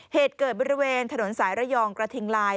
เหตุเกิดบริเวณถนนสายระยองกระทิงลาย